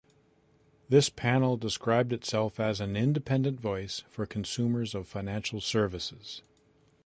This panel described itself as "An Independent Voice for Consumers of Financial Services".